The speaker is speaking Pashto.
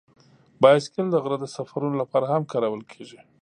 بایسکل د غره سفرونو لپاره هم کارول کېږي.